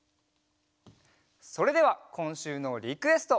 それではこんしゅうのリクエスト！